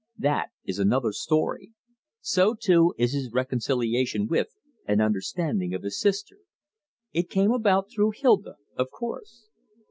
That is another story. So too is his reconciliation with and understanding of his sister. It came about through Hilda, of course.